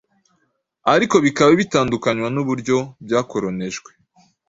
ariko bikaba bitandukanywa n’uburyo byakoronejwe,